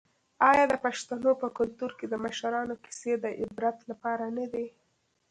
آیا د پښتنو په کلتور کې د مشرانو کیسې د عبرت لپاره نه دي؟